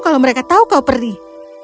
kalau mereka tahu kau perih